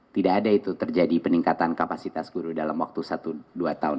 tidak ada itu terjadi peningkatan kapasitas guru dalam waktu satu dua tahun